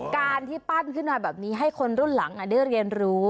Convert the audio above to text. การที่ปั้นขึ้นมาแบบนี้ให้คนรุ่นหลังได้เรียนรู้